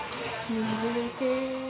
「揺れてた」